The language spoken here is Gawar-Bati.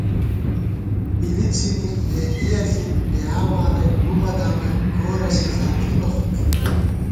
پِلی څھِنِک لېنگِیَہ ݪِک بۡلیایا مارَئیک بُمہ دامَئیک گورہ سزا تھِبہ خو نئ